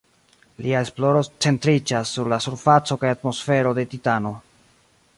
Lia esploro centriĝas sur la surfaco kaj atmosfero de Titano.